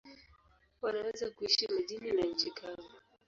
Wanaweza kuishi majini na nchi kavu.